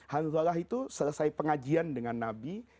hanzalah itu selesai pengajian dengan nabi